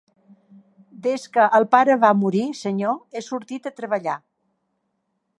Des que el pare va morir, senyor, he sortit a treballar.